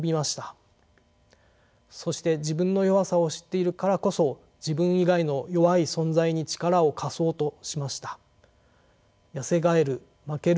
そして自分の弱さを知っているからこそ自分以外の弱い存在に力を貸そうとしました。